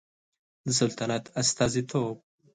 د سلطنت استازیتوب